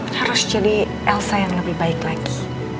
harus jadi elsa yang lebih baik lagi